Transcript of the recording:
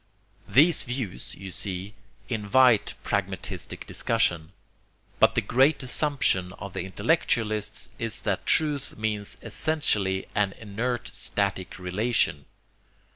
These views, you see, invite pragmatistic discussion. But the great assumption of the intellectualists is that truth means essentially an inert static relation.